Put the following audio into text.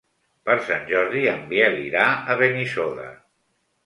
Per Sant Jordi en Biel irà a Benissoda.